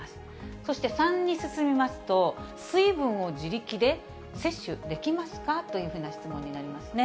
そして３に進みますと、水分を自力で摂取できますか？というふうな質問になりますね。